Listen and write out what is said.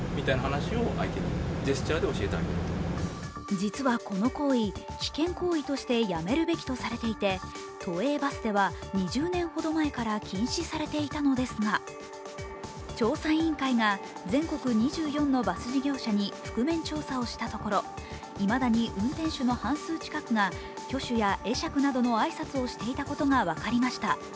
実はこの行為、危険行為としてやめるべきとされていて都営バスでは２０年ほど前から禁止されていたのですが、調査委員会が全国２４のバス事業者に覆面調査をしたところいまだに運転手の半数近くが挙手や会釈などの挨拶をしていたことが分かりました。